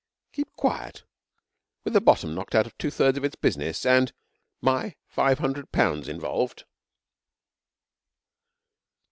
'Keep quiet! With the bottom knocked out of two thirds of its business and and my five hundred pounds involved!'